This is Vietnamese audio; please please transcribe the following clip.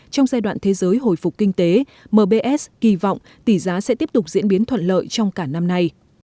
trong giai đoạn thế giới hồi phục kinh tế mbs kỳ vọng tỷ giá sẽ tiếp tục diễn biến thuận lợi trong cả năm nay